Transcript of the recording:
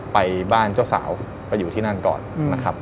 ไปบ้านเจ้าสาวไปอยู่ที่นั่นก่อนนะครับ